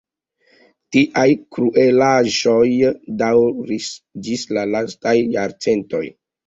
Tiaj kruelaĵoj daŭris ĝis la lastaj jarcentoj.